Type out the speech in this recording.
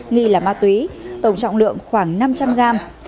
nghi là ma túy tổng trọng lượng khoảng năm trăm linh gram